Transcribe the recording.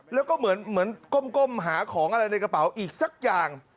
แล้วก็เหมือนก้มหาของอะไรในกระเป๋าอีกสักอย่าง